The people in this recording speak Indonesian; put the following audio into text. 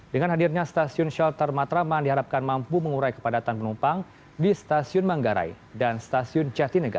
dengan hadirnya stasiun shelter matraman diharapkan mampu mengurai kepadatan penumpang di stasiun manggarai dan stasiun jatinega